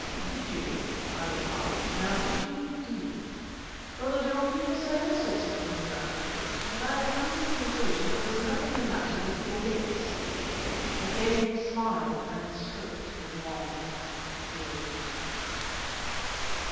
"Did you?" I replied, "now did you indeed? Brother John, people say all sorts of things about you, but I have come to the conclusion that there's nothing the matter with your wits." Again he smiled and stroked his long, white beard.